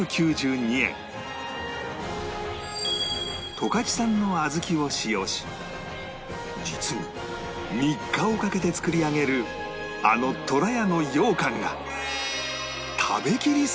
十勝産の小豆を使用し実に３日をかけて作り上げるあのとらやの羊羹が